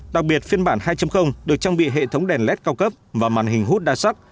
đặc biệt phiên bản hai được trang bị hệ thống đèn led cao cấp và màn hình hút đa sắc